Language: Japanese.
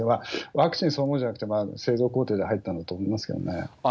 ワクチンそのものじゃなくて、製造工程で入ったんだと思いますけどね。